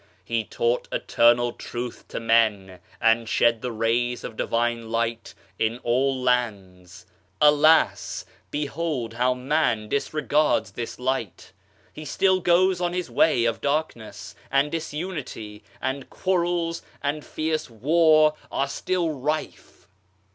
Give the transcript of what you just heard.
He taught Eternal Truth to men, and shed the rays of Divine Light in all lands. Alas ! behold how man disregards this Light. He still goes on his way of darkness, and disunity, and quarrels and fierce war are still rife.